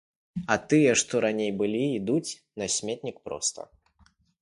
А тыя, што раней былі, ідуць на сметнік проста.